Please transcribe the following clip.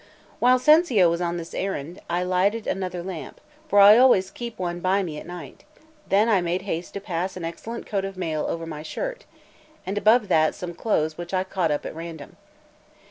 While Cencio was on this errand, I lighted another lamp, for I always keep one by me at night; then I made haste to pass an excellent coat of mail over my shirt, and above that some clothes which I caught up at random.